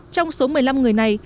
trong số một mươi năm người này